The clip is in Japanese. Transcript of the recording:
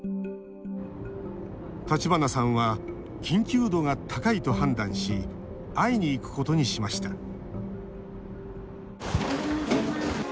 橘さんは緊急度が高いと判断し会いに行くことにしました